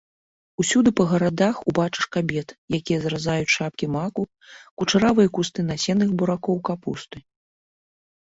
Усюды па гародах убачыш кабет, якія зразаюць шапкі маку, кучаравыя кусты насенных буракоў, капусты.